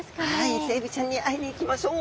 イセエビちゃんに会いに行きましょう！